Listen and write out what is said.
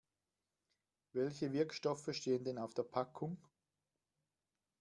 Welche Wirkstoffe stehen denn auf der Packung?